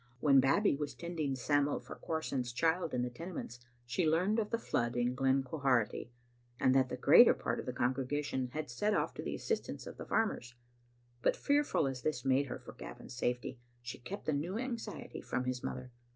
When Bab bie was tending Sam'l Farquharson's child in the Tene ments she learned of the flood in Glen Quharity, and that the greater part of the congregation had set off to the assistance of the farmers; but fearful as this made her for Gavin's safety, she kept the new anxiety from his mother.